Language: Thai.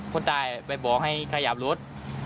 คนตายไปบอกให้ขยับรถ